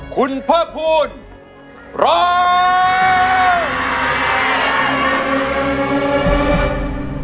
คุณเผอร์พุนร้อง